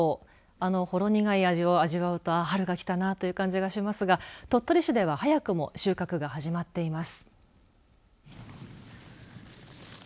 あのほろ苦い味を味わうと春が来たなという感じがしますが鳥取市では早くも収穫が始まっています。